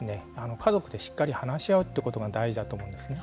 家族でしっかり話し合うということが大事だと思うんですね。